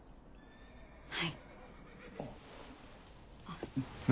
はい。